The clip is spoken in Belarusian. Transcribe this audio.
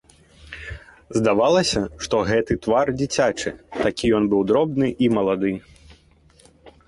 Здавалася, што гэты твар дзіцячы, такі ён быў дробны і малады.